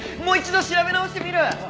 もう一度調べ直してみる！